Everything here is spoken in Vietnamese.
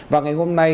và ngày hôm nay